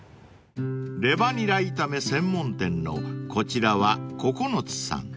［レバにら炒め専門店のこちらはここのつさん］